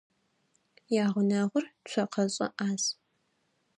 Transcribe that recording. Ягъунэгъур цокъэшӏэ ӏаз.